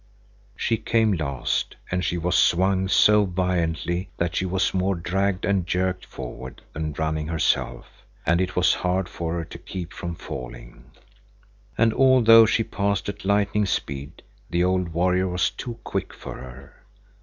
—She came last, and she was swung so violently that she was more dragged and jerked forward than running herself, and it was hard for her to keep from falling. And although she passed at lightning speed, the old warrior was too quick for her.